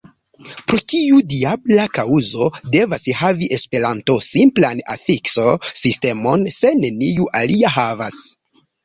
Pro kiu diabla kaŭzo devas havi Esperanto simplan afikso-sistemon, se neniu alia havas?